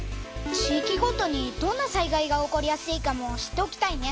地いきごとにどんな災害が起こりやすいかも知っておきたいね。